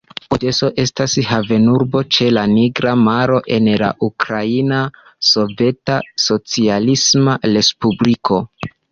Odeso estas havenurbo ĉe la Nigra Maro en la Ukraina Soveta Socialisma Respubliko.